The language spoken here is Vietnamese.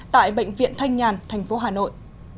tại bệnh viện thanh nhàn thành phố hà nội